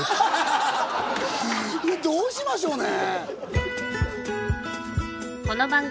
どうしましょうね？